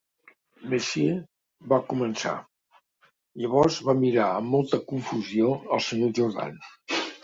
"Monsieur" va començar. Llavors va mirar amb molta confusió al Sr. Jordan.